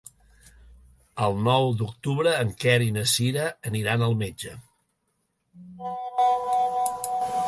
El nou d'octubre en Quer i na Cira aniran al metge.